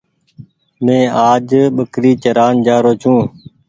مينٚ آج ٻڪري چران جآرو ڇوٚنٚ